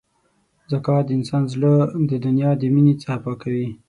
زکات د انسان زړه د دنیا د مینې څخه پاکوي.